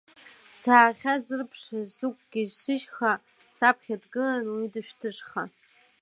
Саахьазырԥшыз, сықәгьежь сышьхәа, саԥхьа дгылан уи дышәҭышха.